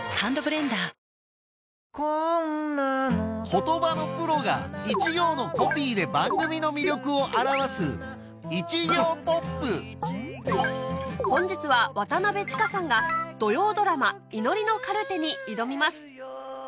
言葉のプロが一行のコピーで番組の魅力を表す本日は渡千佳さんが土曜ドラマ『祈りのカルテ』に挑みます